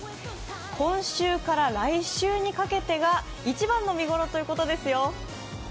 今週から来週にかけてが一番の見頃ということですよ。